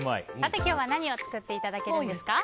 今日は何を作っていただけるんでしょうか。